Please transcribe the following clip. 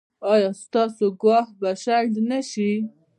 ایا ستاسو ګواښ به شنډ نه شي؟